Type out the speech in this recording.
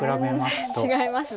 全然違いますね。